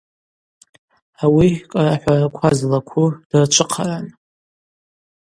Ауи кӏарахӏвараква злакву дырчвыхъаран.